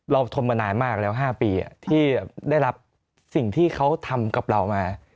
ทนมานานมากแล้ว๕ปีที่ได้รับสิ่งที่เขาทำกับเรามา